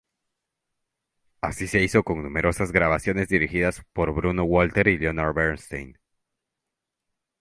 Así se hizo con numerosas grabaciones dirigidas por Bruno Walter y Leonard Bernstein.